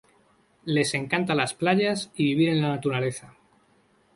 Les encanta las playas y vivir en la naturaleza.